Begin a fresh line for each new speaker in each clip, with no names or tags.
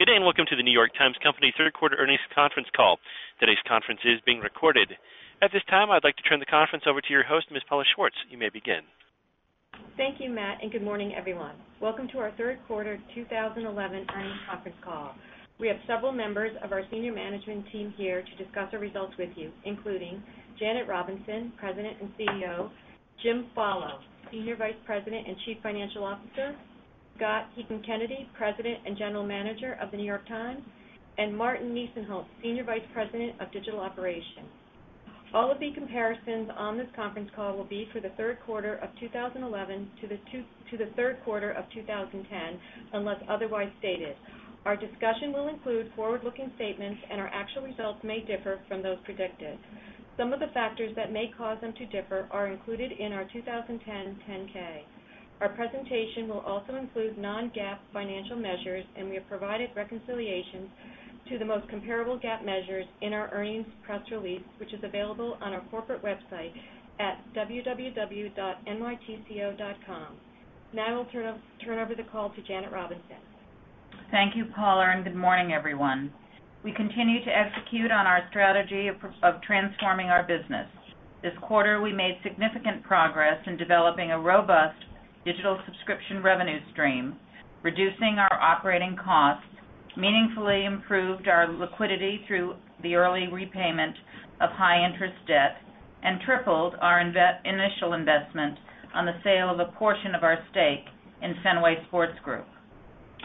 Good day, and welcome to The New York Times Company third quarter earnings conference call. Today's conference is being recorded. At this time, I'd like to turn the conference over to your host, Ms. Paula Schwartz. You may begin.
Thank you, Matt, and good morning, everyone. Welcome to our third quarter 2011 earnings conference call. We have several members of our senior management team here to discuss our results with you, including Janet Robinson, President and CEO; Jim Follo, Senior Vice President and Chief Financial Officer; Scott Heekin-Canedy, President and General Manager of The New York Times; and Martin Nisenholtz, Senior Vice President of Digital Operations. All of the comparisons on this conference call will be for the third quarter of 2011 to the third quarter of 2010, unless otherwise stated. Our discussion will include forward-looking statements, and our actual results may differ from those predicted. Some of the factors that may cause them to differ are included in our 2010 10-K. Our presentation will also include non-GAAP financial measures, and we have provided reconciliations to the most comparable GAAP measures in our earnings press release, which is available on our corporate website at www.nytco.com. Now I'll turn over the call to Janet Robinson.
Thank you, Paula, and good morning, everyone. We continue to execute on our strategy of transforming our business. This quarter, we made significant progress in developing a robust digital subscription revenue stream, reducing our operating costs, meaningfully improved our liquidity through the early repayment of high-interest debt, and tripled our initial investment on the sale of a portion of our stake in Fenway Sports Group.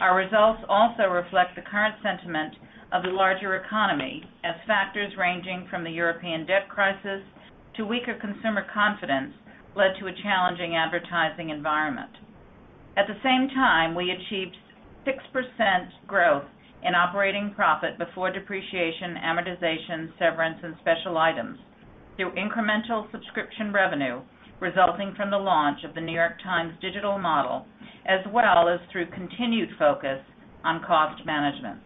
Our results also reflect the current sentiment of the larger economy as factors ranging from the European debt crisis to weaker consumer confidence led to a challenging advertising environment. At the same time, we achieved 6% growth in operating profit before depreciation, amortization, severance, and special items through incremental subscription revenue resulting from the launch of The New York Times digital model as well as through continued focus on cost management.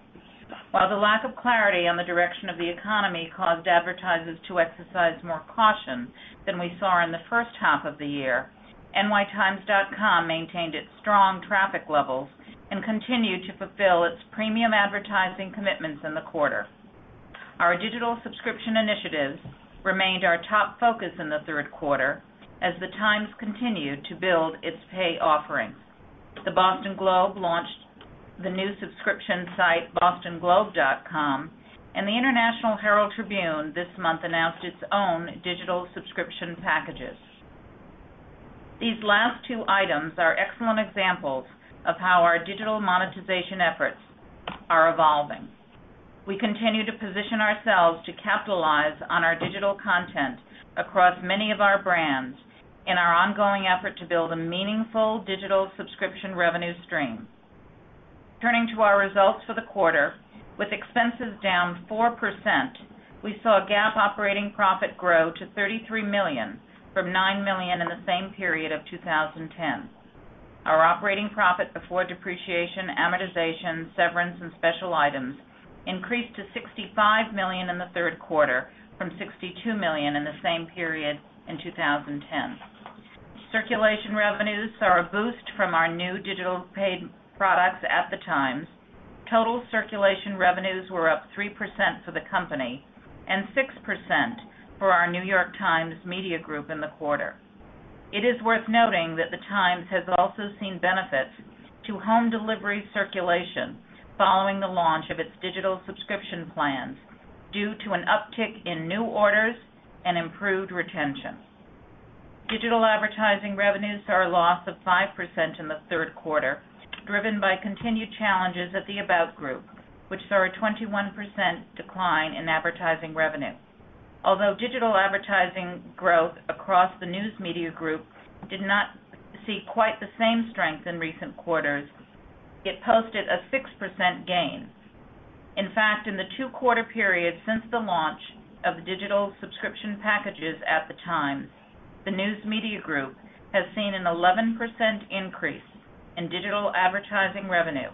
While the lack of clarity on the direction of the economy caused advertisers to exercise more caution than we saw in the first half of the year, nytimes.com maintained its strong traffic levels and continued to fulfill its premium advertising commitments in the quarter. Our digital subscription initiatives remained our top focus in the third quarter as The Times continued to build its pay offerings. The Boston Globe launched the new subscription site, bostonglobe.com, and the International Herald Tribune this month announced its own digital subscription packages. These last two items are excellent examples of how our digital monetization efforts are evolving. We continue to position ourselves to capitalize on our digital content across many of our brands in our ongoing effort to build a meaningful digital subscription revenue stream. Turning to our results for the quarter, with expenses down 4%, we saw GAAP operating profit grow to $33 million from $9 million in the same period of 2010. Our operating profit before depreciation, amortization, severance, and special items increased to $65 million in the third quarter from $62 million in the same period in 2010. Circulation revenues saw a boost from our new digital paid products at The Times. Total circulation revenues were up 3% for the company and 6% for our New York Times Media Group in the quarter. It is worth noting that The Times has also seen benefits to home delivery circulation following the launch of its digital subscription plans due to an uptick in new orders and improved retention. Digital advertising revenues saw a loss of 5% in the third quarter, driven by continued challenges at the About Group, which saw a 21% decline in advertising revenue. Although digital advertising growth across the News Media Group did not see quite the same strength in recent quarters, it posted a 6% gain. In fact, in the two-quarter period since the launch of digital subscription packages at The Times, the News Media Group has seen an 11% increase in digital advertising revenue,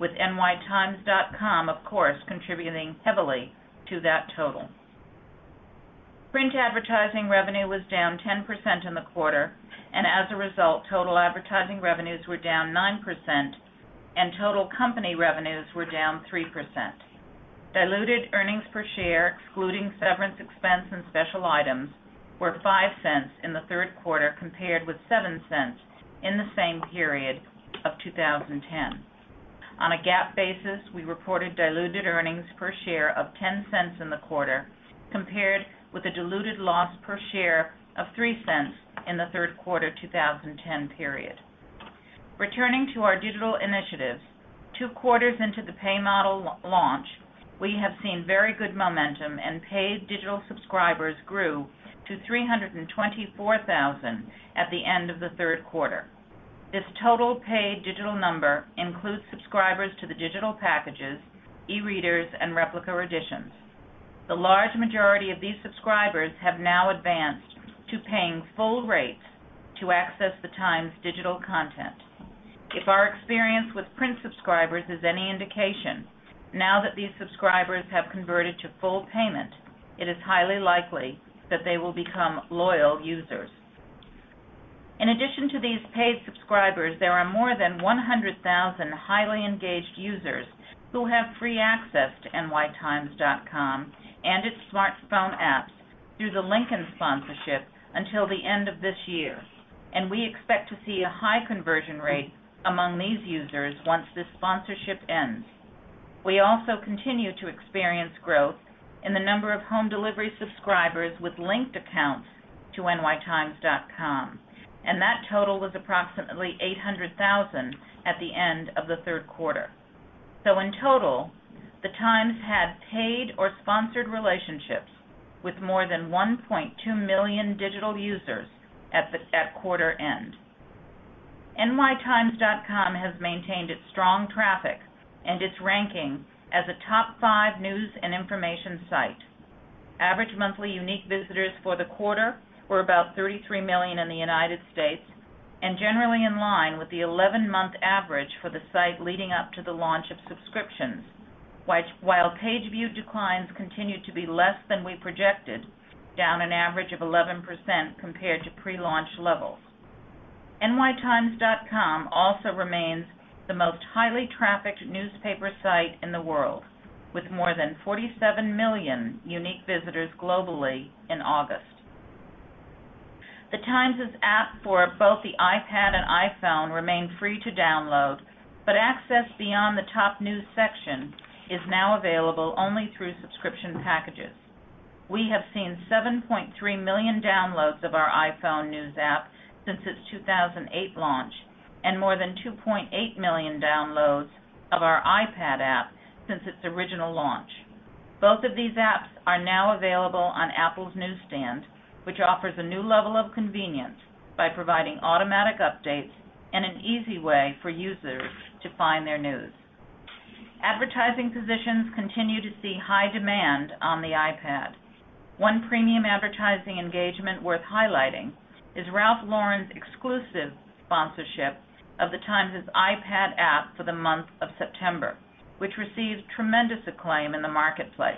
with nytimes.com, of course, contributing heavily to that total. Print advertising revenue was down 10% in the quarter, and as a result, total advertising revenues were down 9% and total company revenues were down 3%. Diluted earnings per share, excluding severance expense and special items, were $0.05 in the third quarter compared with $0.07 in the same period of 2010. On a GAAP basis, we reported diluted earnings per share of $0.10 in the quarter, compared with a diluted loss per share of $0.03 in the third quarter 2010 period. Returning to our digital initiatives, two quarters into the pay model launch, we have seen very good momentum and paid digital subscribers grew to 324,000 at the end of the third quarter. This total paid digital number includes subscribers to the digital packages, e-readers, and replica editions. The large majority of these subscribers have now advanced to paying full rates to access The Times' digital content. If our experience with print subscribers is any indication, now that these subscribers have converted to full payment, it is highly likely that they will become loyal users. In addition to these paid subscribers, there are more than 100,000 highly engaged users who have free access to nytimes.com and its smartphone apps through the Lincoln sponsorship until the end of this year, and we expect to see a high conversion rate among these users once this sponsorship ends. We also continue to experience growth in the number of home delivery subscribers with linked accounts to nytimes.com, and that total was approximately 800,000 at the end of the third quarter. In total, the Times had paid or sponsored relationships with more than 1.2 million digital users at quarter end. Nytimes.com has maintained its strong traffic and its ranking as a top five news and information site. Average monthly unique visitors for the quarter were about 33 million in the United States and generally in line with the 11-month average for the site leading up to the launch of subscriptions, while page view declines continued to be less than we projected, down an average of 11% compared to pre-launch levels. Nytimes.com also remains the most highly trafficked newspaper site in the world, with more than 47 million unique visitors globally in August. The Times's app for both the iPad and iPhone remain free to download, but access beyond the top news section is now available only through subscription packages. We have seen 7.3 million downloads of our iPhone news app since its 2008 launch, and more than 2.8 million downloads of our iPad app since its original launch. Both of these apps are now available on Apple's Newsstand, which offers a new level of convenience by providing automatic updates and an easy way for users to find their news. Advertising positions continue to see high demand on the iPad. One premium advertising engagement worth highlighting is Ralph Lauren's exclusive sponsorship of the Times's iPad app for the month of September, which received tremendous acclaim in the marketplace.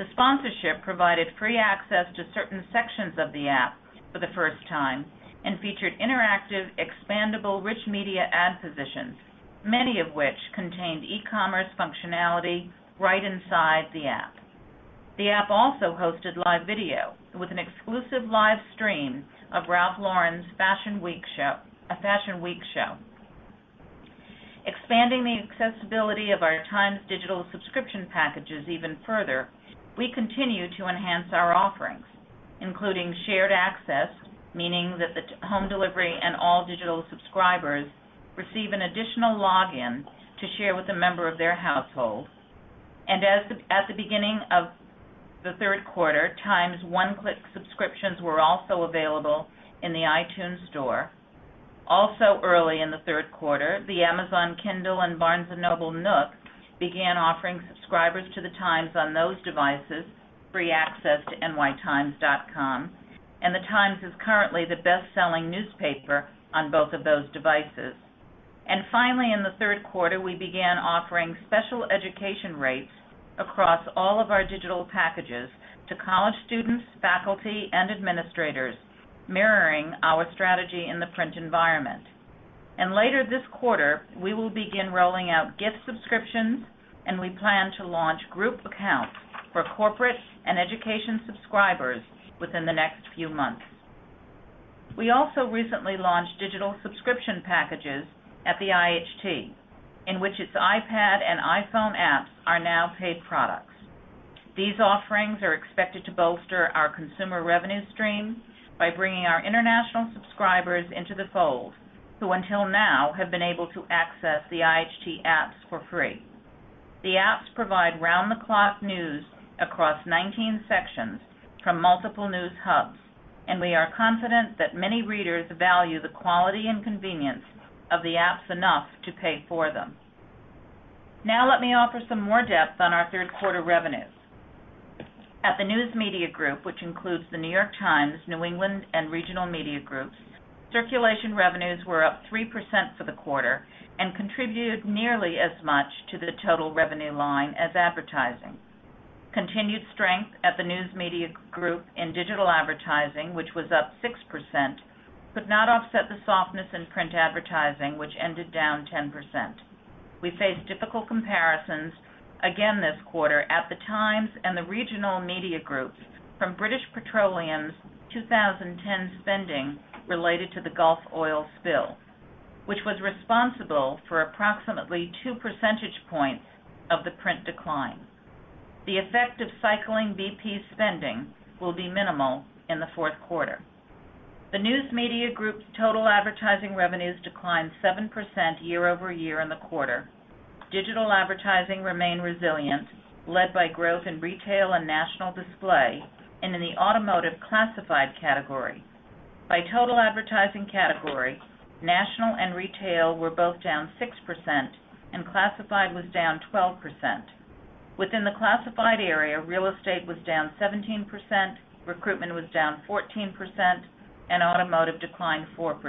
The sponsorship provided free access to certain sections of the app for the first time and featured interactive, expandable, rich media ad positions, many of which contained e-commerce functionality right inside the app. The app also hosted live video with an exclusive live stream of Ralph Lauren's Fashion Week show. Expanding the accessibility of our Times digital subscription packages even further, we continue to enhance our offerings. Including shared access, meaning that the home delivery and all digital subscribers receive an additional login to share with a member of their household. At the beginning of the third quarter, Times one-click subscriptions were also available in the iTunes Store. Also early in the third quarter, the Amazon Kindle and Barnes & Noble NOOK began offering subscribers to the Times on those devices free access to nytimes.com. The Times is currently the best-selling newspaper on both of those devices. Finally, in the third quarter, we began offering special education rates across all of our digital packages to college students, faculty, and administrators, mirroring our strategy in the print environment. Later this quarter, we will begin rolling out gift subscriptions, and we plan to launch group accounts for corporate and education subscribers within the next few months. We also recently launched digital subscription packages at the IHT, in which its iPad and iPhone apps are now paid products. These offerings are expected to bolster our consumer revenue streams by bringing our international subscribers into the fold, who, until now, have been able to access the IHT apps for free. The apps provide round-the-clock news across 19 sections from multiple news hubs, and we are confident that many readers value the quality and convenience of the apps enough to pay for them. Now let me offer some more depth on our third quarter revenues. At the News Media Group, which includes The New York Times, New England, and Regional Media Groups, circulation revenues were up 3% for the quarter and contributed nearly as much to the total revenue line as advertising. Continued strength at the News Media Group in digital advertising, which was up 6%, could not offset the softness in print advertising, which ended down 10%. We faced difficult comparisons again this quarter at the Times and the Regional Media Groups from British Petroleum's 2010 spending related to the Gulf oil spill, which was responsible for approximately two percentage points of the print decline. The effect of cycling BP's spending will be minimal in the fourth quarter. The News Media Group's total advertising revenues declined 7% year-over-year in the quarter. Digital advertising remained resilient, led by growth in retail and national display and in the automotive classified category. By total advertising category, national and retail were both down 6%, and classified was down 12%. Within the classified area, real estate was down 17%, recruitment was down 14%, and automotive declined 4%.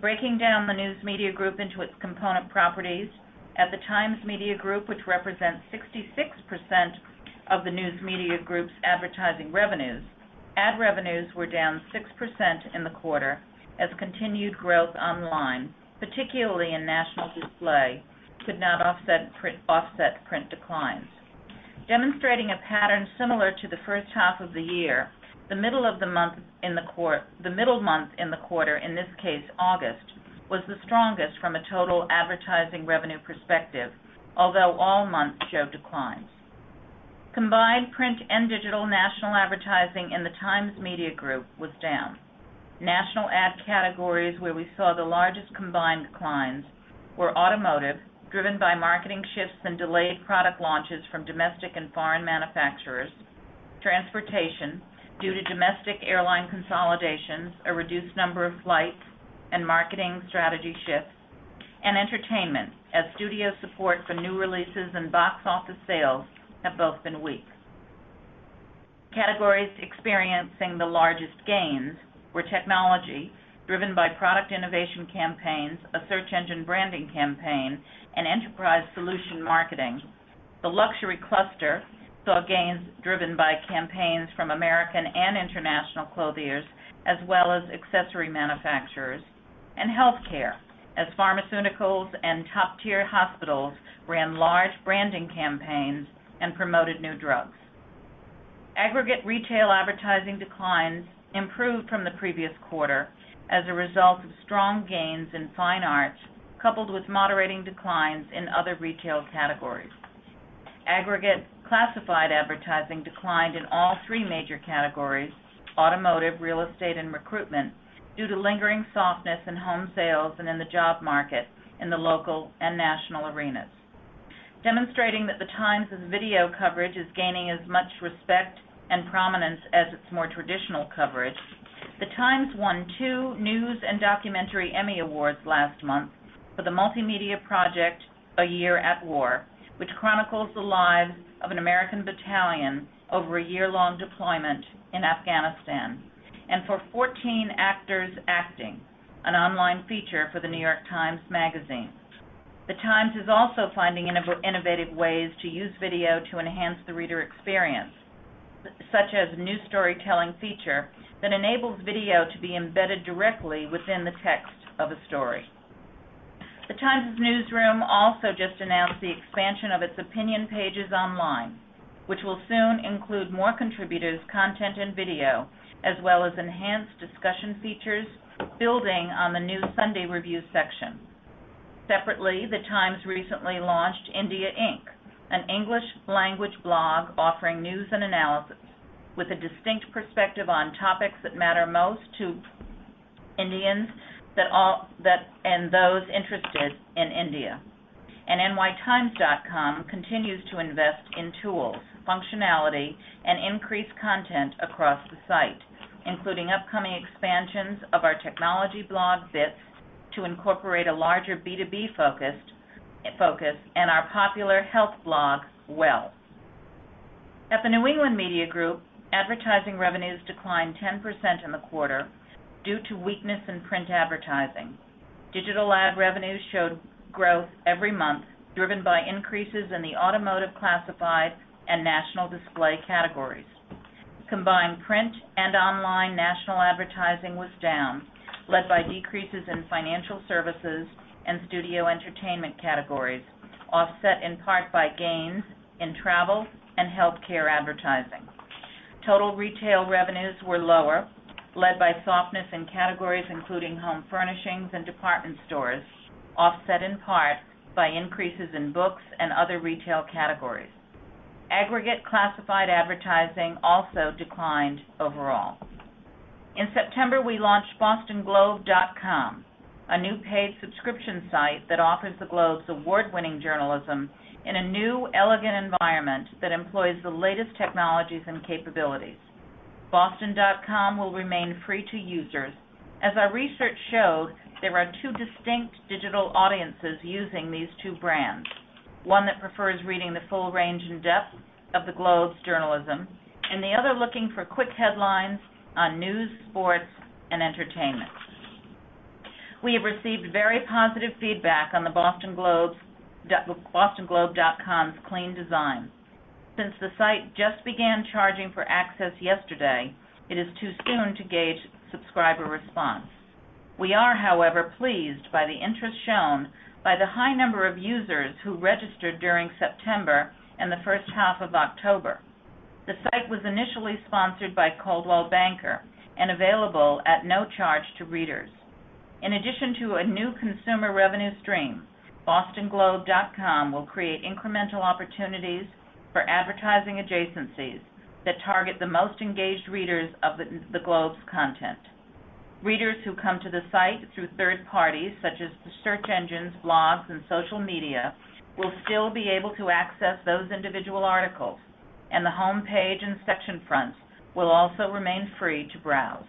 Breaking down the News Media Group into its component properties. At the Times Media Group, which represents 66% of the News Media Group's advertising revenues, ad revenues were down 6% in the quarter as continued growth online, particularly in national display, could not offset print declines. Demonstrating a pattern similar to the first half of the year, the middle months in the quarter, in this case August, was the strongest from a total advertising revenue perspective, although all months showed declines. Combined print and digital national advertising in the Times Media Group was down. National ad categories where we saw the largest combined declines were automotive, driven by marketing shifts and delayed product launches from domestic and foreign manufacturers. Transportation, due to domestic airline consolidations, a reduced number of flights and marketing strategy shifts. Entertainment, as studio support for new releases and box office sales have both been weak. Categories experiencing the largest gains were technology, driven by product innovation campaigns, a search engine branding campaign and enterprise solution marketing. The luxury cluster saw gains driven by campaigns from American and international clothiers, as well as accessory manufacturers. Healthcare, as pharmaceuticals and top-tier hospitals ran large branding campaigns and promoted new drugs. Aggregate retail advertising declines improved from the previous quarter as a result of strong gains in fine arts, coupled with moderating declines in other retail categories. Aggregate classified advertising declined in all three major categories, automotive, real estate and recruitment, due to lingering softness in home sales and in the job market in the local and national arenas. Demonstrating that The Times' video coverage is gaining as much respect and prominence as its more traditional coverage. The Times won two News and Documentary Emmy Awards last month for the multimedia project, A Year at War, which chronicles the lives of an American battalion over a year-long deployment in Afghanistan, for 14 Actors Acting, an online feature for The New York Times Magazine. The Times is also finding innovative ways to use video to enhance the reader experience, such as a new storytelling feature that enables video to be embedded directly within the text of a story. The Times' newsroom also just announced the expansion of its opinion pages online, which will soon include more contributors, content and video, as well as enhanced discussion features, building on the new Sunday Review section. Separately, The Times recently launched India Ink, an English-language blog offering news and analysis with a distinct perspective on topics that matter most to Indians and those interested in India. Nytimes.com continues to invest in tools, functionality and increased content across the site, including upcoming expansions of our technology blog, Bits, to incorporate a larger B2B focus and our popular health blog, Well. At the New England Media Group, advertising revenues declined 10% in the quarter due to weakness in print advertising. Digital ad revenues showed growth every month, driven by increases in the automotive classified and national display categories. Combined print and online national advertising was down, led by decreases in financial services and studio entertainment categories, offset in part by gains in travel and healthcare advertising. Total retail revenues were lower, led by softness in categories including home furnishings and department stores, offset in part by increases in books and other retail categories. Aggregate classified advertising also declined overall. In September, we launched bostonglobe.com, a new paid subscription site that offers The Globe's award-winning journalism in a new, elegant environment that employs the latest technologies and capabilities. Boston.com will remain free to users, as our research showed there are two distinct digital audiences using these two brands. One that prefers reading the full range and depth of The Globe's journalism, and the other looking for quick headlines on news, sports and entertainment. We have received very positive feedback on the bostonglobe.com's clean design. Since the site just began charging for access yesterday, it is too soon to gauge subscriber response. We are, however, pleased by the interest shown by the high number of users who registered during September and the first half of October. The site was initially sponsored by Coldwell Banker and available at no charge to readers. In addition to a new consumer revenue stream, bostonglobe.com will create incremental opportunities for advertising adjacencies that target the most engaged readers of The Globe's content. Readers who come to the site through third parties such as the search engines, blogs and social media will still be able to access those individual articles, and the homepage and section fronts will also remain free to browse.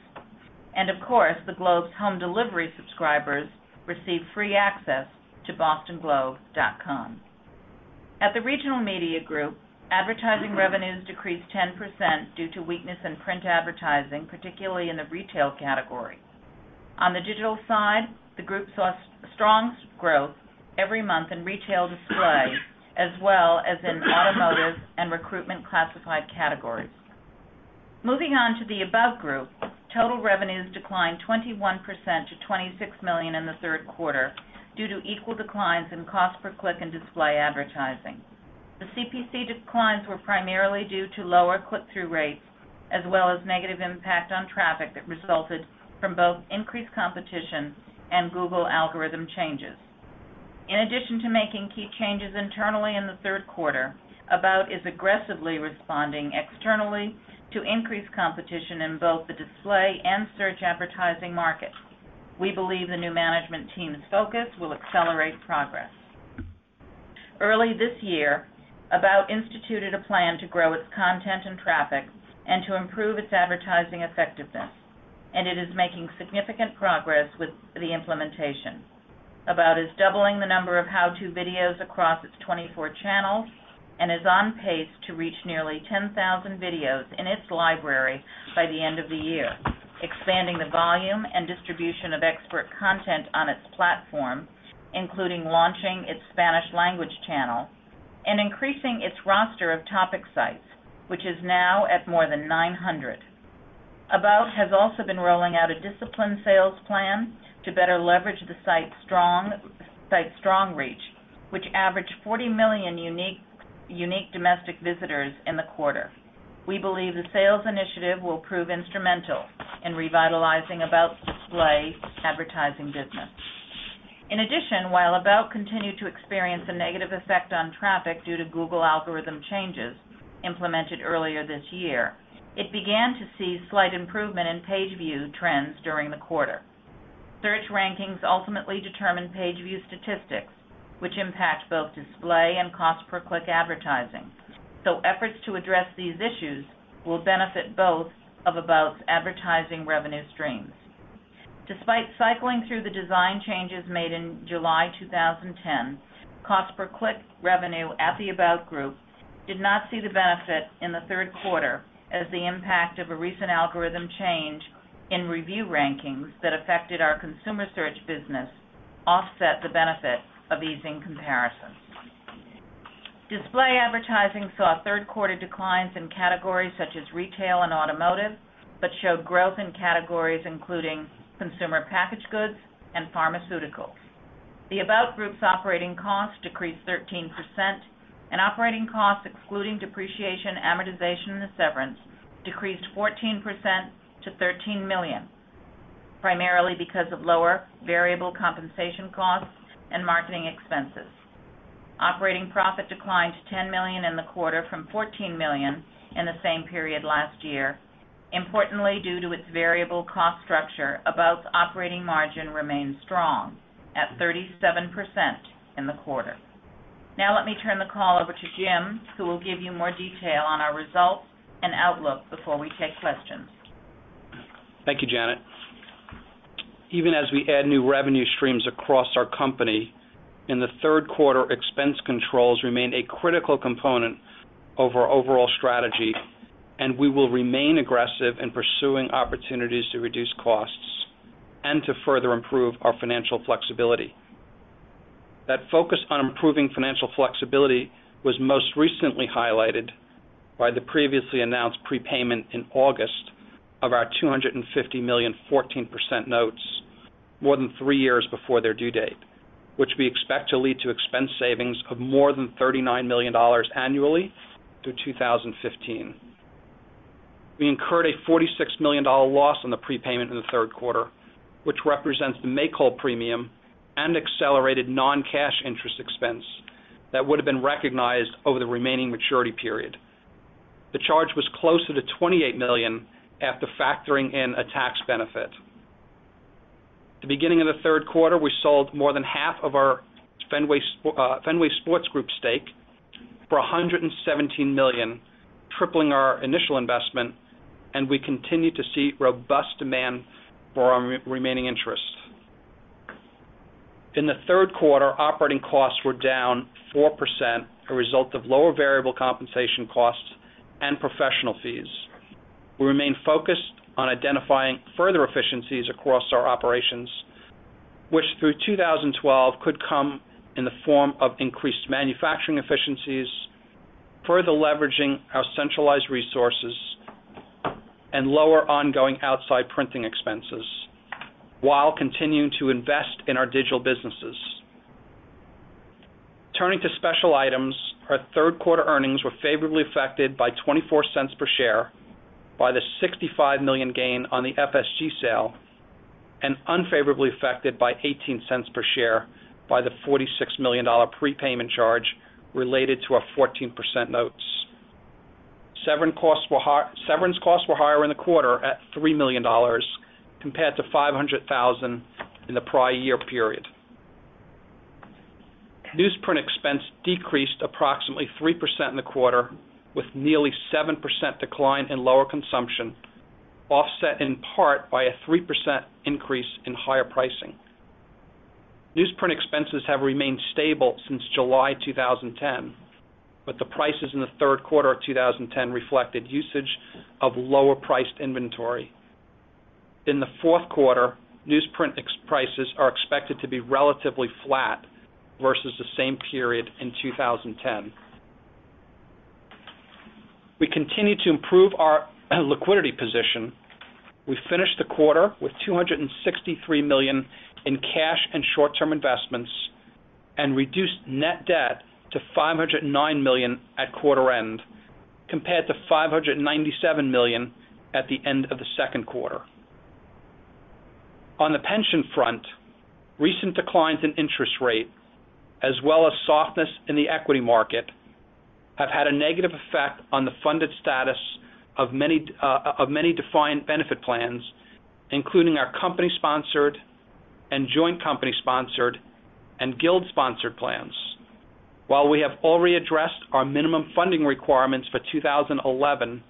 Of course, The Globe's home delivery subscribers receive free access to bostonglobe.com. At the Regional Media Group, advertising revenues decreased 10% due to weakness in print advertising, particularly in the retail category. On the digital side, the group saw strong growth every month in retail display, as well as in automotive and recruitment classified categories. Moving on to the About Group, total revenues declined 21% to $26 million in the third quarter due to equal declines in cost per click and display advertising. The CPC declines were primarily due to lower click-through rates, as well as negative impact on traffic that resulted from both increased competition and Google algorithm changes. In addition to making key changes internally in the third quarter, About is aggressively responding externally to increase competition in both the display and search advertising market. We believe the new management team's focus will accelerate progress. Early this year, About instituted a plan to grow its content and traffic and to improve its advertising effectiveness, and it is making significant progress with the implementation. About is doubling the number of how-to videos across its 24 channels and is on pace to reach nearly 10,000 videos in its library by the end of the year. Expanding the volume and distribution of expert content on its platform, including launching its Spanish language channel and increasing its roster of topic sites, which is now at more than 900. About has also been rolling out a disciplined sales plan to better leverage the site's strong reach, which averaged 40 million unique domestic visitors in the quarter. We believe the sales initiative will prove instrumental in revitalizing About's display advertising business. In addition, while About continued to experience a negative effect on traffic due to Google algorithm changes implemented earlier this year, it began to see slight improvement in page view trends during the quarter. Search rankings ultimately determine page view statistics, which impact both display and cost per click advertising. Efforts to address these issues will benefit both of About's advertising revenue streams. Despite cycling through the design changes made in July 2010, cost per click revenue at the About Group did not see the benefit in the third quarter as the impact of a recent algorithm change in review rankings that affected our consumer search business offset the benefit of easing comparisons. Display advertising saw third quarter declines in categories such as retail and automotive, but showed growth in categories including consumer packaged goods and pharmaceuticals. The About Group's operating costs decreased 13% and operating costs, excluding depreciation, amortization, and the severance, decreased 14% to $13 million, primarily because of lower variable compensation costs and marketing expenses. Operating profit declined to $10 million in the quarter from $14 million in the same period last year. Importantly, due to its variable cost structure, About's operating margin remained strong at 37% in the quarter. Now let me turn the call over to Jim, who will give you more detail on our results and outlook before we take questions.
Thank you, Janet. Even as we add new revenue streams across our company, in the third quarter, expense controls remained a critical component of our overall strategy, and we will remain aggressive in pursuing opportunities to reduce costs and to further improve our financial flexibility. That focus on improving financial flexibility was most recently highlighted by the previously announced prepayment in August of our $250 million 14% notes more than three years before their due date, which we expect to lead to expense savings of more than $39 million annually through 2015. We incurred a $46 million loss on the prepayment in the third quarter, which represents the make-whole premium and accelerated non-cash interest expense that would have been recognized over the remaining maturity period. The charge was closer to $28 million after factoring in a tax benefit. At the beginning of the third quarter, we sold more than half of our Fenway Sports Group stake for $117 million, tripling our initial investment, and we continue to see robust demand for our remaining interest. In the third quarter, operating costs were down 4%, a result of lower variable compensation costs and professional fees. We remain focused on identifying further efficiencies across our operations, which through 2012 could come in the form of increased manufacturing efficiencies, further leveraging our centralized resources, and lower ongoing outside printing expenses while continuing to invest in our digital businesses. Turning to special items, our third quarter earnings were favorably affected by $0.24 per share by the $65 million gain on the FSG sale and unfavorably affected by $0.18 per share by the $46 million prepayment charge related to our 14% notes. Severance costs were higher in the quarter at $3 million compared to $500,000 in the prior year period. Newsprint expense decreased approximately 3% in the quarter with nearly 7% decline due to lower consumption. Offset in part by a 3% increase in higher pricing. Newsprint expenses have remained stable since July 2010, but the prices in the third quarter of 2010 reflected usage of lower priced inventory. In the fourth quarter, newsprint prices are expected to be relatively flat versus the same period in 2010. We continue to improve our liquidity position. We finished the quarter with $263 million in cash and short-term investments and reduced net debt to $509 million at quarter end, compared to $597 million at the end of the second quarter. On the pension front, recent declines in interest rate, as well as softness in the equity market, have had a negative effect on the funded status of many defined benefit plans, including our company-sponsored and joint company-sponsored and guild-sponsored plans. While we have already addressed our minimum funding requirements for 2011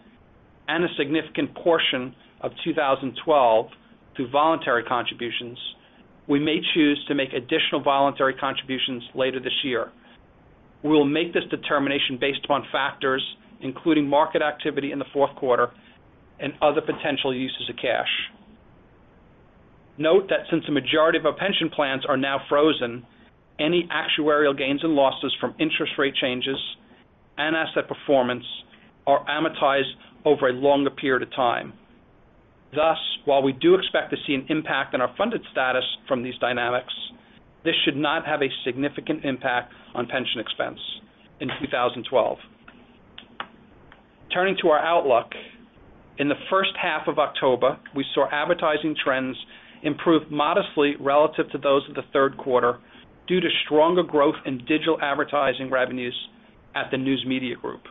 and a significant portion of 2012 through voluntary contributions, we may choose to make additional voluntary contributions later this year. We will make this determination based upon factors including market activity in the fourth quarter and other potential uses of cash. Note that since the majority of our pension plans are now frozen, any actuarial gains and losses from interest rate changes and asset performance are amortized over a longer period of time. Thus, while we do expect to see an impact on our funded status from these dynamics, this should not have a significant impact on pension expense in 2012. Turning to our outlook. In the first half of October, we saw advertising trends improve modestly relative to those of the third quarter due to stronger growth in digital advertising revenues at the News Media Group.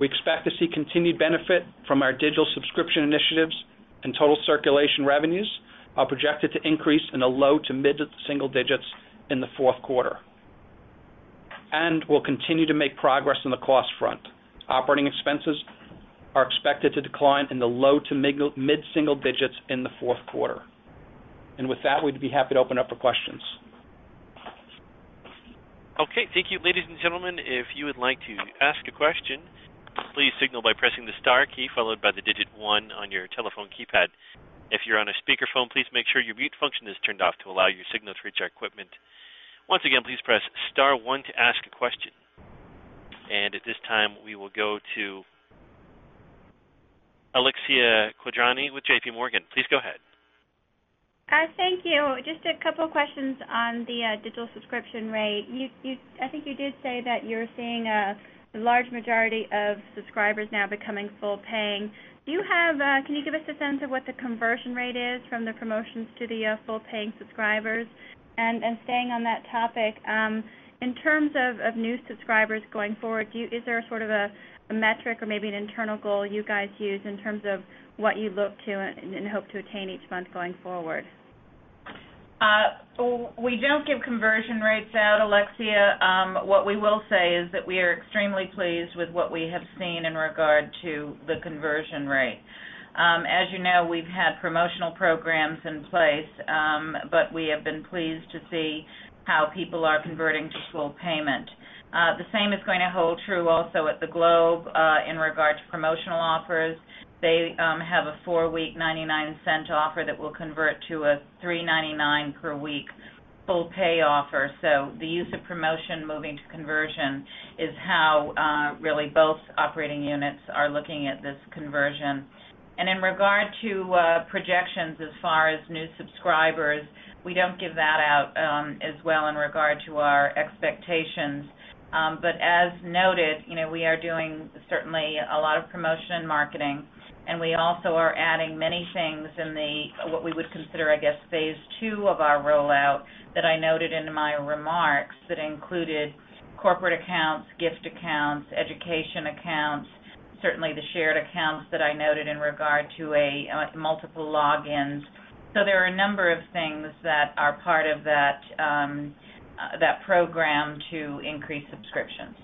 We expect to see continued benefit from our digital subscription initiatives, and total circulation revenues are projected to increase in the low to mid-single digits in the fourth quarter. We'll continue to make progress on the cost front. Operating expenses are expected to decline in the low to mid-single digits in the fourth quarter. With that, we'd be happy to open up for questions.
Okay, thank you. Ladies and gentlemen, if you would like to ask a question, please signal by pressing the star key followed by the digit one on your telephone keypad. If you're on a speakerphone, please make sure your mute function is turned off to allow your signal to reach our equipment. Once again, please press star one to ask a question. At this time, we will go to Alexia Quadrani with JPMorgan. Please go ahead.
Thank you. Just a couple of questions on the digital subscription rate. I think you did say that you're seeing a large majority of subscribers now becoming full paying. Can you give us a sense of what the conversion rate is from the promotions to the full-paying subscribers? Staying on that topic, in terms of new subscribers going forward, is there a sort of a metric or maybe an internal goal you guys use in terms of what you look to and hope to attain each month going forward?
We don't give conversion rates out, Alexia. What we will say is that we are extremely pleased with what we have seen in regard to the conversion rate. As you know, we've had promotional programs in place, but we have been pleased to see how people are converting to full payment. The same is going to hold true also at The Globe in regard to promotional offers. They have a four-week $0.99 offer that will convert to a $3.99 per week full pay offer. So the use of promotion moving to conversion is how really both operating units are looking at this conversion. In regard to projections as far as new subscribers, we don't give that out as well in regard to our expectations. As noted, we are doing certainly a lot of promotion and marketing, and we also are adding many things in the, what we would consider, I guess, phase two of our rollout that I noted in my remarks that included corporate accounts, gift accounts, education accounts, certainly the shared accounts that I noted in regard to multiple logins. There are a number of things that are part of that program to increase subscriptions.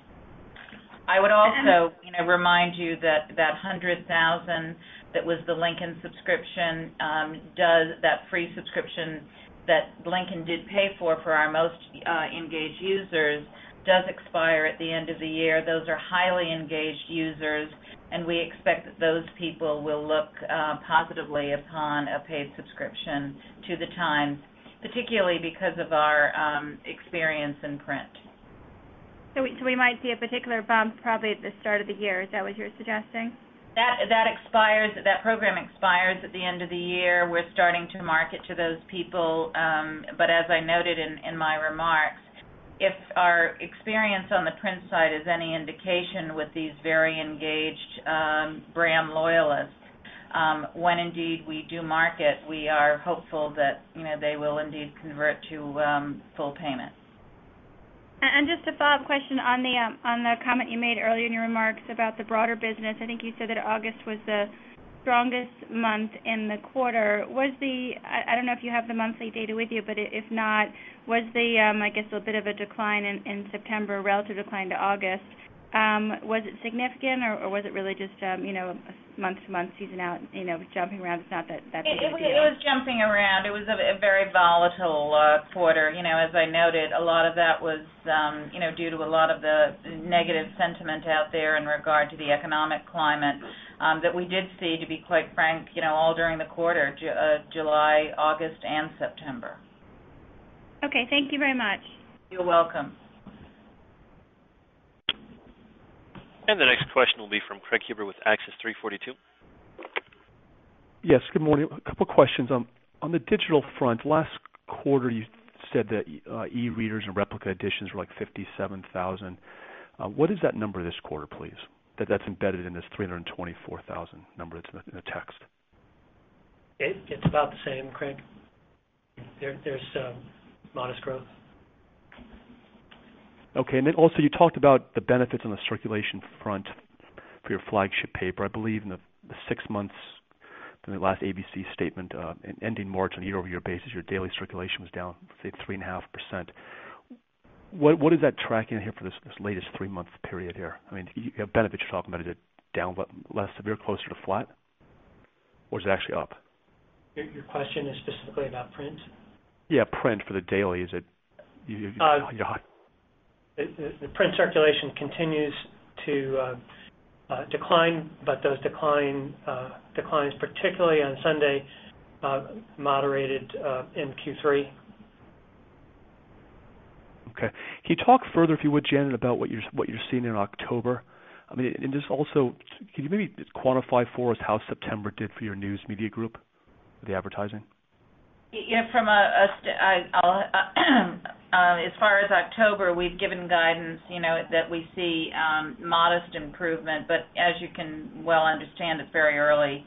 I would also remind you that that 100,000 that was the Lincoln subscription, that free subscription that Lincoln did pay for our most engaged users, does expire at the end of the year. Those are highly engaged users, and we expect that those people will look positively upon a paid subscription to The Times, particularly because of our experience in print.
We might see a particular bump probably at the start of the year. Is that what you're suggesting?
That program expires at the end of the year. We're starting to market to those people, but as I noted in my remarks, if our experience on the print side is any indication with these very engaged brand loyalists when indeed we do market, we are hopeful that they will indeed convert to full payment.
Just a follow-up question on the comment you made earlier in your remarks about the broader business. I think you said that August was the strongest month in the quarter. I don't know if you have the monthly data with you, but if not, was the, I guess, a bit of a decline in September, a relative decline to August? Was it significant or was it really just month-to-month seasonality, jumping around? It's not that big of a deal.
It was jumping around. It was a very volatile quarter. As I noted, a lot of that was due to a lot of the negative sentiment out there in regard to the economic climate that we did see, to be quite frank, all during the quarter, July, August, and September.
Okay. Thank you very much.
You're welcome.
The next question will be from Craig Huber with Access 342.
Yes, good morning. A couple questions. On the digital front, last quarter you said that e-readers and replica editions were like 57,000. What is that number this quarter, please? That's embedded in this 324,000 number that's in the text.
It's about the same, Craig. There's modest growth.
Okay. You talked about the benefits on the circulation front for your flagship paper. I believe in the six months from the last ABC statement, ending March, on a year-over-year basis, your daily circulation was down, say, 3.5%. What is that tracking here for this latest three-month period here? I mean, you have benefits you're talking about. Is it down but less severe, closer to flat? Or is it actually up?
Your question is specifically about print?
Yeah, print for the daily.
The print circulation continues to decline, but those declines, particularly on Sunday, moderated in Q3.
Okay. Can you talk further, if you would, Janet, about what you're seeing in October? Just also, can you maybe just quantify for us how September did for your News Media Group with the advertising?
As far as October, we've given guidance that we see modest improvement, but as you can well understand, it's very early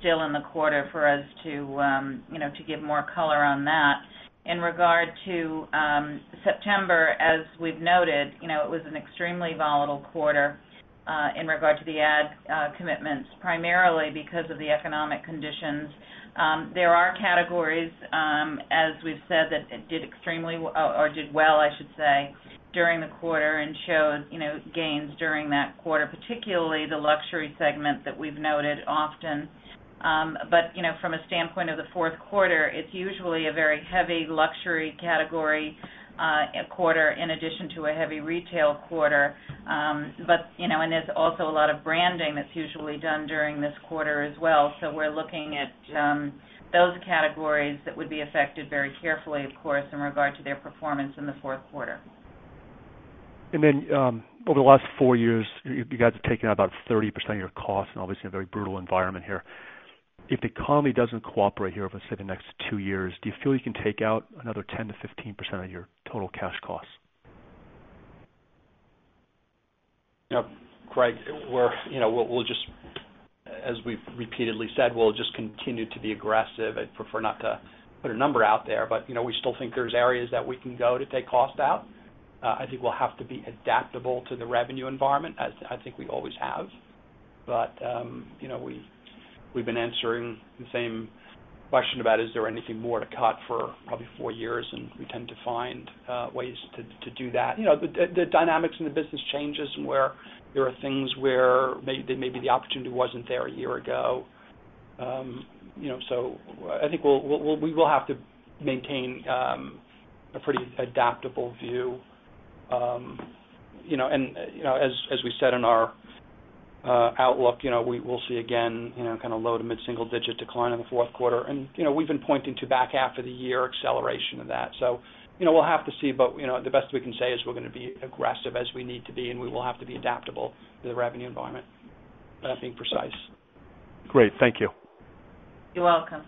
still in the quarter for us to give more color on that. In regard to September, as we've noted, it was an extremely volatile quarter in regard to the ad commitments. Primarily because of the economic conditions. There are categories, as we've said, that did extremely or did well, I should say, during the quarter and showed gains during that quarter, particularly the luxury segment that we've noted often. But from a standpoint of the fourth quarter, it's usually a very heavy luxury category quarter in addition to a heavy retail quarter. There's also a lot of branding that's usually done during this quarter as well. We're looking at those categories that would be affected very carefully, of course, in regard to their performance in the fourth quarter.
Over the last four years, you guys have taken out about 30% of your cost and obviously a very brutal environment here. If the economy doesn't cooperate here over say, the next two years, do you feel you can take out another 10%-15% of your total cash costs?
Craig, as we've repeatedly said, we'll just continue to be aggressive. I'd prefer not to put a number out there, but we still think there's areas that we can go to take cost out. I think we'll have to be adaptable to the revenue environment as I think we always have. We've been answering the same question about is there anything more to cut for probably four years, and we tend to find ways to do that. The dynamics in the business changes and where there are things where maybe the opportunity wasn't there a year ago. I think we will have to maintain a pretty adaptable view. As we said in our outlook, we'll see again low- to mid-single-digit decline in the fourth quarter. We've been pointing to back half of the year acceleration of that. We'll have to see, but the best we can say is we're going to be aggressive as we need to be, and we will have to be adaptable to the revenue environment without being precise.
Great. Thank you.
You're welcome.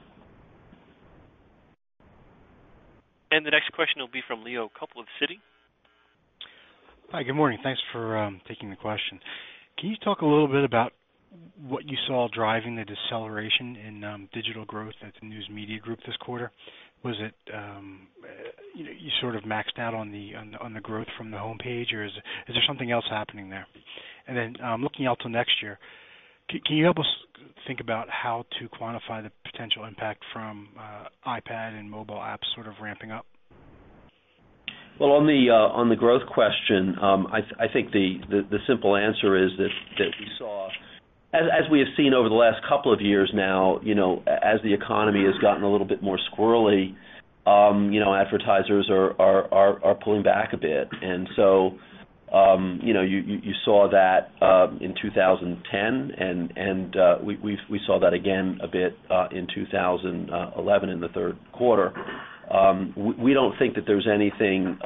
The next question will be from Leo Kulp of Citi.
Hi, good morning. Thanks for taking the question. Can you talk a little bit about what you saw driving the deceleration in digital growth at the News Media Group this quarter? You sort of maxed out on the growth from the homepage, or is there something else happening there? Looking out to next year, can you help us think about how to quantify the potential impact from iPad and mobile apps sort of ramping up?
Well, on the growth question, I think the simple answer is that as we have seen over the last couple of years now, as the economy has gotten a little bit more squirrely, advertisers are pulling back a bit. You saw that in 2010, and we saw that again a bit in 2011 in the third quarter. We don't think that there's anything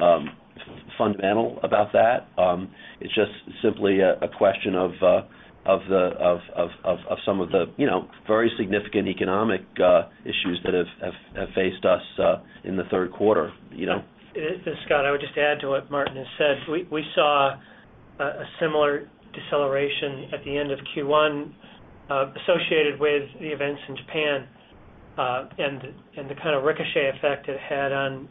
fundamental about that. It's just simply a question of some of the very significant economic issues that have faced us in the third quarter.
Scott, I would just add to what Martin has said, we saw a similar deceleration at the end of Q1 associated with the events in Japan, and the kind of ricochet effect it had on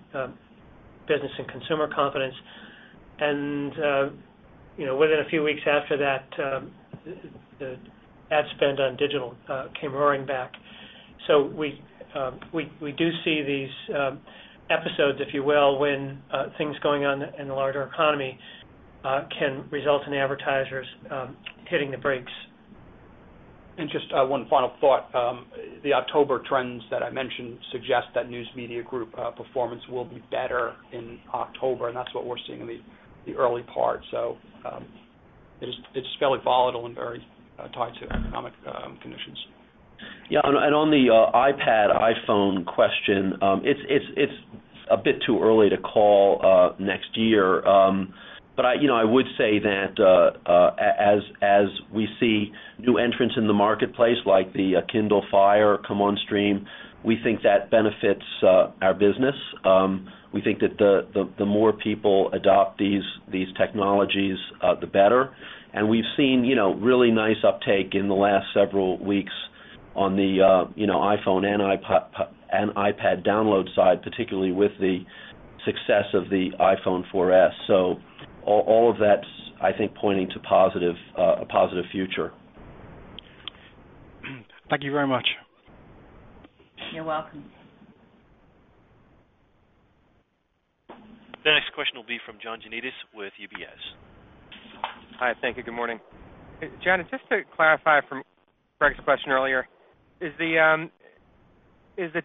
business and consumer confidence. Within a few weeks after that, the ad spend on digital came roaring back. We do see these episodes, if you will, when things going on in the larger economy can result in advertisers hitting the brakes.
Just one final thought. The October trends that I mentioned suggest that News Media Group performance will be better in October, and that's what we're seeing in the early part. It's fairly volatile and very tied to economic conditions.
Yeah. On the iPad, iPhone question, it's a bit too early to call next year. I would say that as we see new entrants in the marketplace, like the Kindle Fire come on stream, we think that benefits our business. We think that the more people adopt these technologies, the better. We've seen really nice uptake in the last several weeks on the iPhone and iPad download side, particularly with the success of the iPhone 4S. All of that's, I think, pointing to a positive future.
Thank you very much.
You're welcome.
The next question will be from John Janedis with UBS.
Hi. Thank you. Good morning. Janet, just to clarify from Craig's question earlier, is the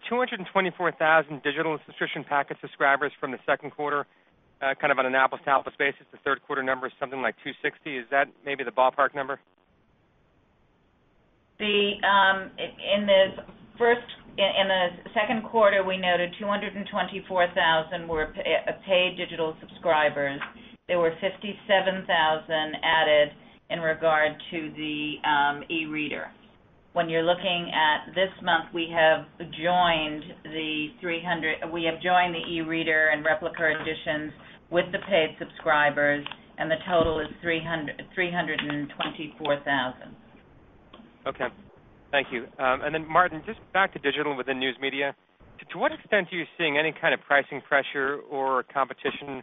224,000 digital subscription package subscribers from the second quarter on an apples-to-apples basis? The third quarter number is something like 260,000. Is that maybe the ballpark number?
In the second quarter, we noted 224,000 were paid digital subscribers. There were 57,000 added in regard to the eReader. When you're looking at this month, we have joined the eReader and replica editions with the paid subscribers, and the total is 324,000.
Okay. Thank you. Martin, just back to digital within News Media. To what extent are you seeing any kind of pricing pressure or competition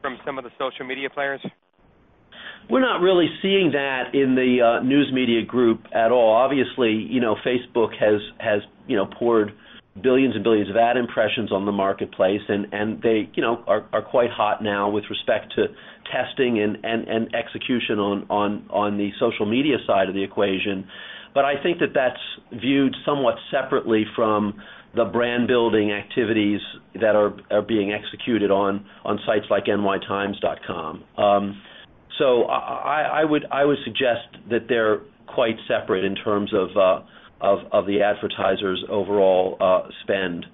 from some of the social media players?
We're not really seeing that in the News Media Group at all. Obviously, Facebook has poured billions and billions of ad impressions on the marketplace, and they are quite hot now with respect to testing and execution on the social media side of the equation. I think that's viewed somewhat separately from the brand-building activities that are being executed on sites like nytimes.com. I would suggest that they're quite separate in terms of the advertisers' overall spend.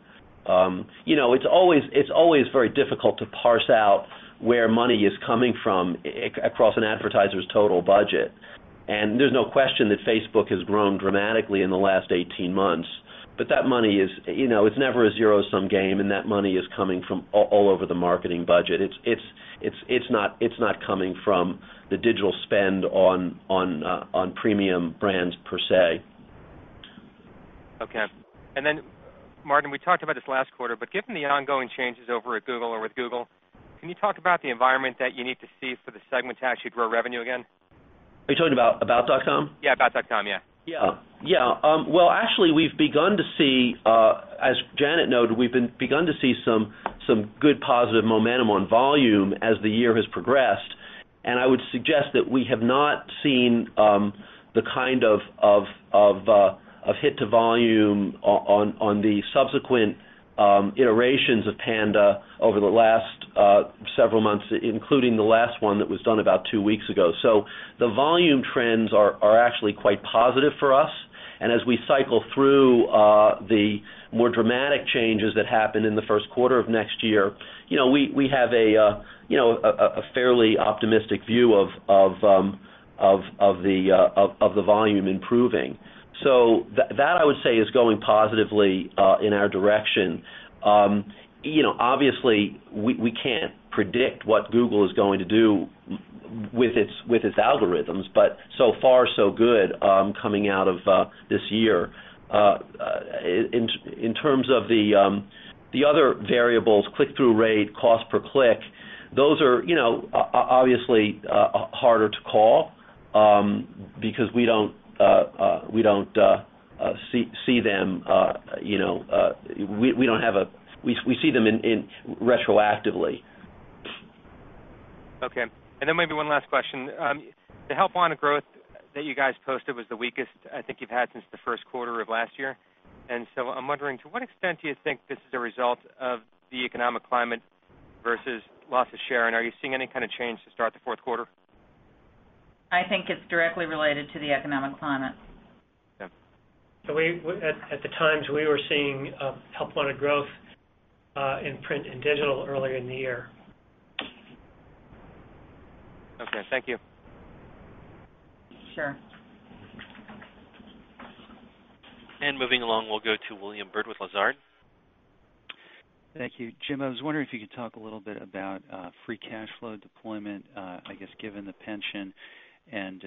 It's always very difficult to parse out where money is coming from across an advertiser's total budget. There's no question that Facebook has grown dramatically in the last 18 months. That money is never a zero-sum game, and that money is coming from all over the marketing budget. It's not coming from the digital spend on premium brands, per se.
Okay. Then Martin, we talked about this last quarter, but given the ongoing changes over at Google or with Google, can you talk about the environment that you need to see for the segment to actually grow revenue again?
Are you talking about About.com?
Yeah, About.com. Yeah.
Yeah. Well, actually, as Janet noted, we've begun to see some good positive momentum on volume as the year has progressed. I would suggest that we have not seen the kind of hit to volume on the subsequent iterations of Panda over the last several months, including the last one that was done about two weeks ago. The volume trends are actually quite positive for us. As we cycle through the more dramatic changes that happen in the first quarter of next year, we have a fairly optimistic view of the volume improving. That, I would say, is going positively in our direction. Obviously, we can't predict what Google is going to do with its algorithms, but so far so good coming out of this year. In terms of the other variables, click-through rate, cost per click, those are obviously harder to call because we see them retroactively.
Okay. Maybe one last question. The help wanted growth that you guys posted was the weakest I think you've had since the first quarter of last year. I'm wondering, to what extent do you think this is a result of the economic climate versus loss of share? Are you seeing any kind of change to start the fourth quarter?
I think it's directly related to the economic climate.
Okay.
At the Times, we were seeing help wanted growth in print and digital earlier in the year.
Okay. Thank you.
Sure.
Moving along, we'll go to William Bird with Lazard.
Thank you. Jim, I was wondering if you could talk a little bit about free cash flow deployment, I guess, given the pension and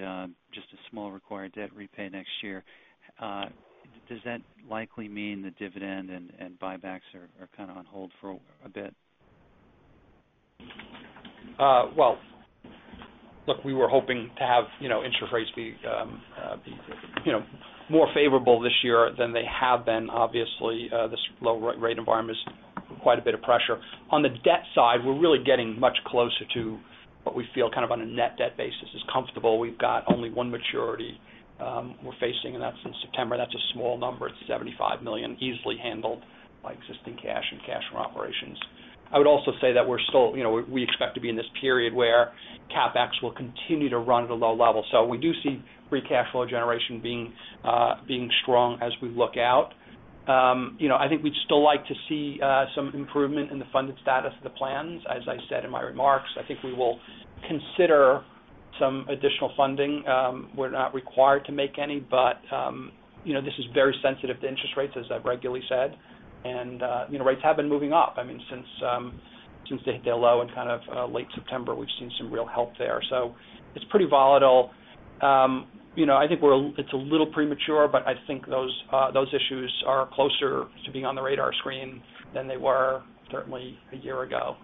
just a small required debt repay next year. Does that likely mean the dividend and buybacks are kind of on hold for a bit?
Well, look, we were hoping to have interest rates be more favorable this year than they have been. Obviously, this low rate environment is quite a bit of pressure. On the debt side, we're really getting much closer to what we feel on a net debt basis is comfortable. We've got only one maturity we're facing, and that's in September. That's a small number. It's $75 million, easily handled by existing cash and cash from operations. I would also say that we expect to be in this period where CapEx will continue to run at a low level. We do see free cash flow generation being strong as we look out. I think we'd still like to see some improvement in the funded status of the plans. As I said in my remarks, I think we will consider some additional funding. We're not required to make any, but this is very sensitive to interest rates, as I've regularly said. Rates have been moving up since they hit their low in late September. We've seen some real help there. It's pretty volatile. I think it's a little premature, but I think those issues are closer to being on the radar screen than they were certainly a year ago.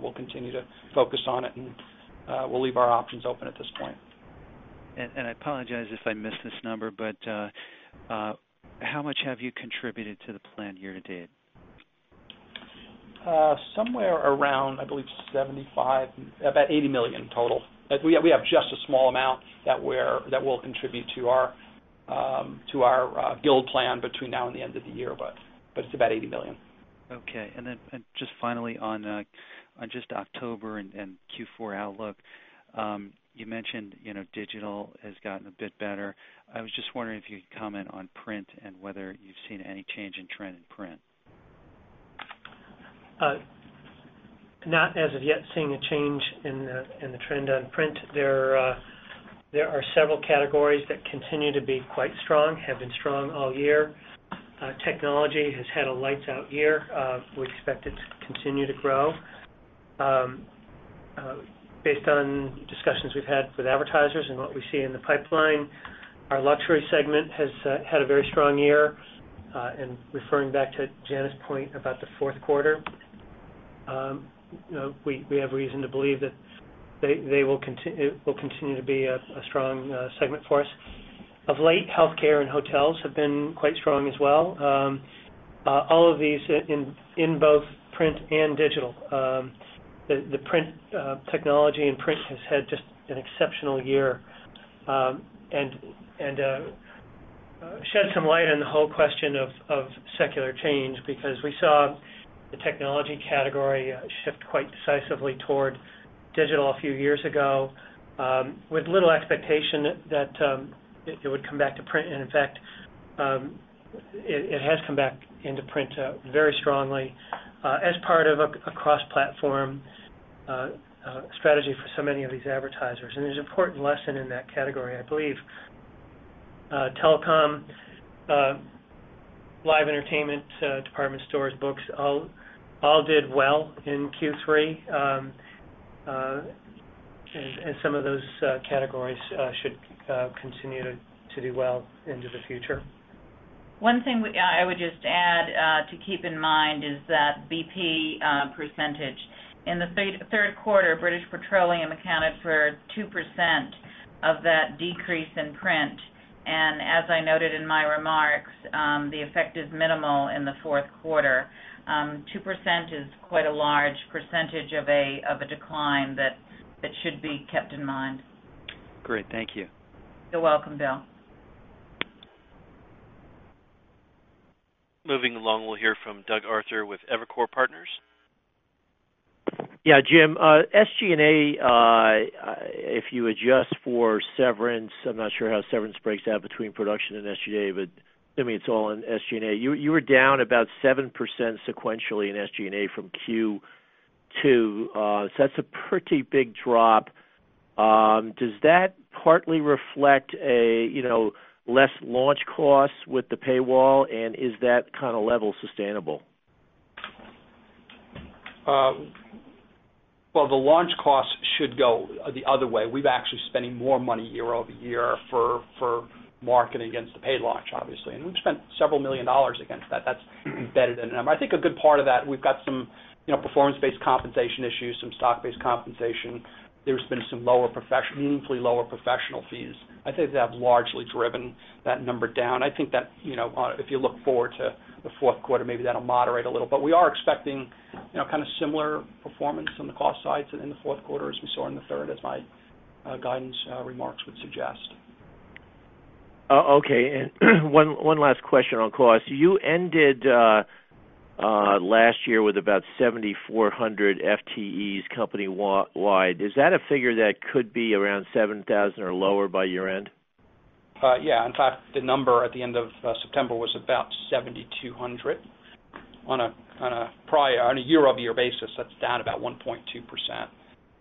We'll continue to focus on it and we'll leave our options open at this point.
I apologize if I missed this number, but how much have you contributed to the plan year to date?
Somewhere around, I believe, $75 million, about $80 million total. We have just a small amount that we'll contribute to our Guild plan between now and the end of the year. It's about $80 million.
Okay. Just finally on just October and Q4 outlook. You mentioned digital has gotten a bit better. I was just wondering if you could comment on print and whether you've seen any change in trend in print.
Not as of yet seen a change in the trend on print. There are several categories that continue to be quite strong, have been strong all year. Technology has had a lights-out year. We expect it to continue to grow. Based on discussions we've had with advertisers and what we see in the pipeline, our luxury segment has had a very strong year. Referring back to Janet's point about the fourth quarter, we have reason to believe that they will continue to be a strong segment for us. Of late, healthcare and hotels have been quite strong as well. All of these in both print and digital. The technology in print has had just an exceptional year. Shed some light on the whole question of secular change, because we saw the technology category shift quite decisively toward digital a few years ago with little expectation that it would come back to print. In fact, it has come back into print very strongly as part of a cross-platform strategy for so many of these advertisers. There's an important lesson in that category, I believe. Telecom, live entertainment, department stores, books, all did well in Q3. Some of those categories should continue to do well into the future.
One thing I would just add to keep in mind is that BP percentage. In the third quarter, British Petroleum accounted for 2% of that decrease in print. As I noted in my remarks, the effect is minimal in the fourth quarter. 2% is quite a large percentage of a decline that should be kept in mind.
Great. Thank you.
You're welcome, Bird.
Moving along, we'll hear from Doug Arthur with Evercore Partners.
Yeah, Jim, SG&A, if you adjust for severance, I'm not sure how severance breaks out between production and SG&A, but assuming it's all in SG&A, you were down about 7% sequentially in SG&A from Q2. That's a pretty big drop. Does that partly reflect less launch costs with the paywall, and is that kind of level sustainable?
Well, the launch costs should go the other way. We're actually spending more money year-over-year for marketing against the paid launch, obviously. We've spent $ several million against that. That's embedded in the number. I think a good part of that, we've got some performance-based compensation issues, some stock-based compensation. There's been some meaningfully lower professional fees. I think they have largely driven that number down. I think that if you look forward to the fourth quarter, maybe that'll moderate a little. We are expecting similar performance on the cost side in the fourth quarter as we saw in the third, as my guidance remarks would suggest.
Okay. One last question on cost. You ended last year with about 7,400 FTEs company-wide. Is that a figure that could be around 7,000 or lower by year-end?
Yeah. In fact, the number at the end of September was about 7,200. On a year-over-year basis, that's down about 1.2%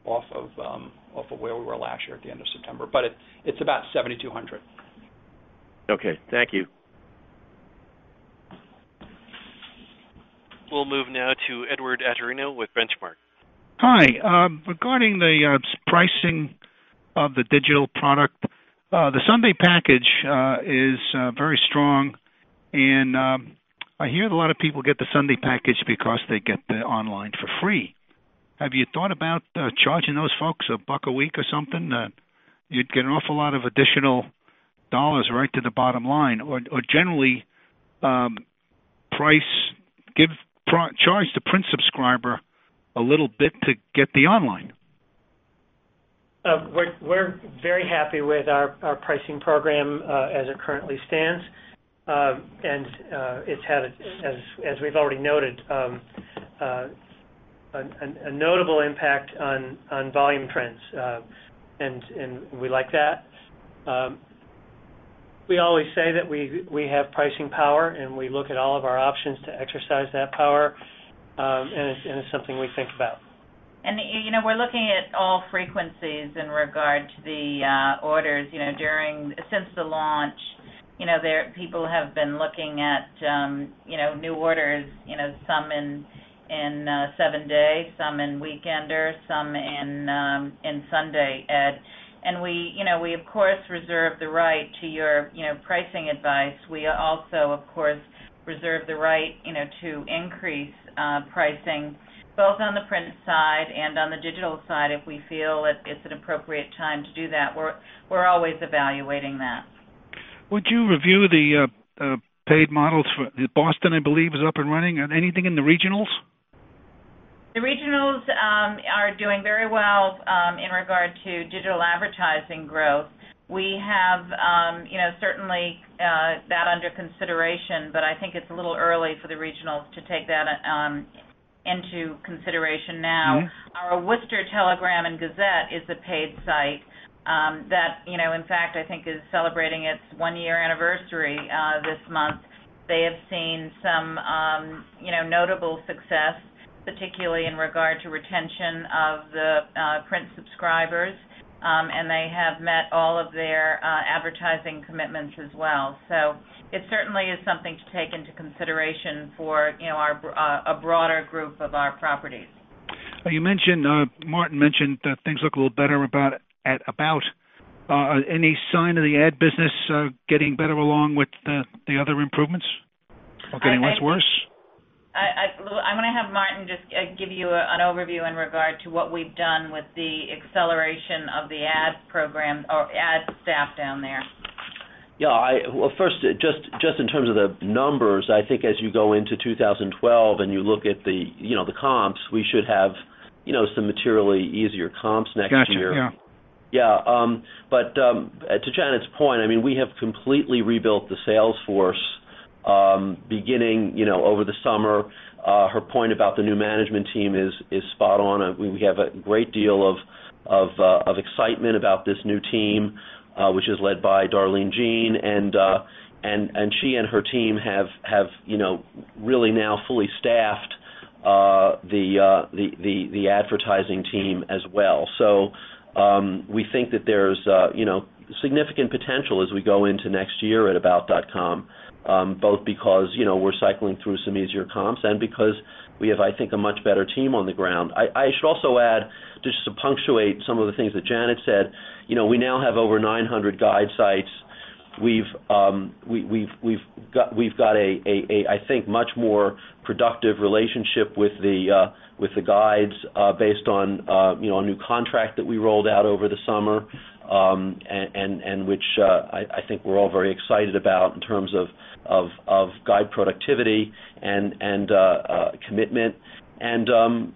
off of where we were last year at the end of September. It's about 7,200.
Okay. Thank you.
We'll move now to Edward Atorino with Benchmark.
Hi. Regarding the pricing of the digital product. The Sunday package is very strong, and I hear that a lot of people get the Sunday package because they get the online for free. Have you thought about charging those folks $1 a week or something? You'd get an awful lot of additional dollars right to the bottom line. Or generally, charge the print subscriber a little bit to get the online.
We're very happy with our pricing program as it currently stands. It's had, as we've already noted, a notable impact on volume trends, and we like that. We always say that we have pricing power, and we look at all of our options to exercise that power, and it's something we think about.
We're looking at all frequencies in regard to the orders since the launch. People have been looking at new orders, some in seven-day, some in Weekender, some in Sunday ed. We of course reserve the right to your pricing advice. We also, of course, reserve the right to increase pricing both on the print side and on the digital side if we feel it's an appropriate time to do that. We're always evaluating that.
Would you review the paid models for Boston, I believe, is up and running. Anything in the regionals?
The regionals are doing very well in regard to digital advertising growth. We certainly have that under consideration, but I think it's a little early for the regionals to take that into consideration now. Our Worcester Telegram & Gazette is a paid site that, in fact, I think is celebrating its 1-year anniversary this month. They have seen some notable success, particularly in regard to retention of the print subscribers, and they have met all of their advertising commitments as well. It certainly is something to take into consideration for a broader group of our properties.
Martin mentioned that things look a little better at About. Any sign of the ad business getting better along with the other improvements or getting less worse?
I'm going to have Martin just give you an overview in regard to what we've done with the acceleration of the ad program or ad staff down there.
Yeah. Well, first, just in terms of the numbers, I think as you go into 2012 and you look at the comps, we should have some materially easier comps next year.
Got you. Yeah.
Yeah. To Janet's point, we have completely rebuilt the sales force beginning over the summer. Her point about the new management team is spot on. We have a great deal of excitement about this new team, which is led by Darline Jean, and she and her team have really now fully staffed the advertising team as well. We think that there's significant potential as we go into next year at About.com, both because we're cycling through some easier comps and because we have, I think, a much better team on the ground. I should also add, just to punctuate some of the things that Janet said, we now have over 900 guide sites. We've got, I think, a much more productive relationship with the guides based on a new contract that we rolled out over the summer, and which I think we're all very excited about in terms of guide productivity and commitment. The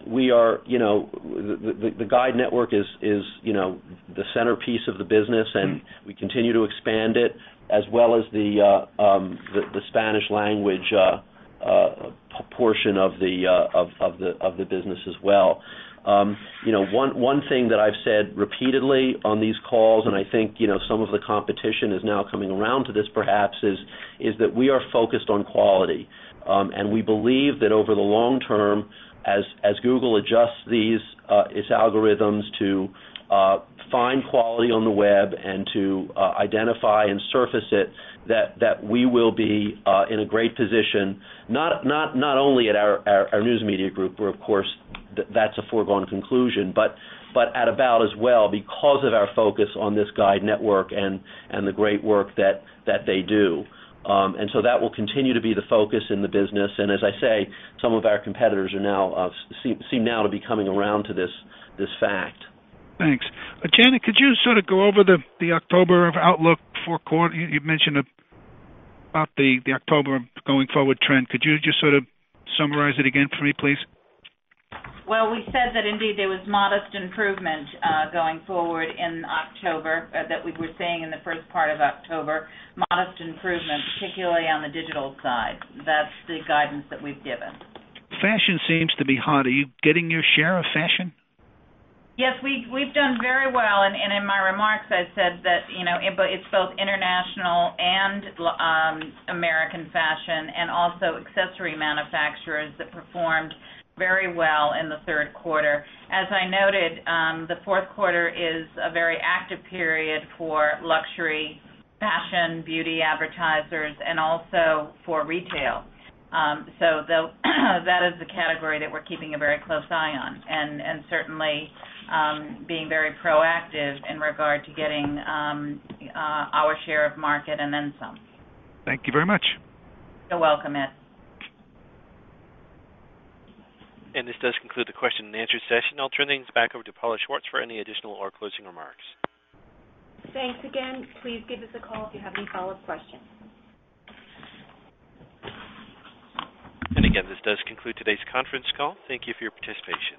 guide network is the centerpiece of the business, and we continue to expand it, as well as the Spanish language portion of the business as well. One thing that I've said repeatedly on these calls, and I think some of the competition is now coming around to this perhaps, is that we are focused on quality. We believe that over the long term, as Google adjusts its algorithms to find quality on the web and to identify and surface it, that we will be in a great position, not only at our News Media Group, where, of course, that's a foregone conclusion, but at About as well, because of our focus on this guide network and the great work that they do. That will continue to be the focus in the business. As I say, some of our competitors seem now to be coming around to this fact.
Thanks. Janet, could you sort of go over the October outlook for the quarter? You've mentioned about the October going-forward trend. Could you just sort of summarize it again for me, please?
Well, we said that indeed there was modest improvement going forward in October that we were seeing in the first part of October. Modest improvement, particularly on the digital side. That's the guidance that we've given.
Fashion seems to be hot. Are you getting your share of fashion?
Yes, we've done very well. In my remarks, I said that it's both international and American fashion and also accessory manufacturers that performed very well in the third quarter. As I noted, the fourth quarter is a very active period for luxury fashion, beauty advertisers, and also for retail. That is the category that we're keeping a very close eye on and certainly being very proactive in regard to getting our share of market and then some.
Thank you very much.
You're welcome, Ed.
This does conclude the question-and-answer session. I'll turn things back over to Paula Schwartz for any additional or closing remarks.
Thanks again. Please give us a call if you have any follow-up questions.
Again, this does conclude today's conference call. Thank you for your participation.